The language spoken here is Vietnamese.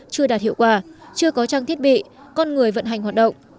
chưa đạt hiệu quả chưa có trang thiết bị con người vận hành hoạt động